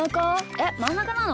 えっまんなかなの？